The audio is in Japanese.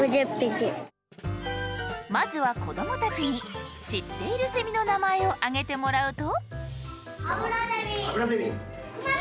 まずは子どもたちに知っているセミの名前を挙げてもらうと。